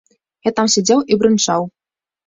Я там сядзеў і брынчаў.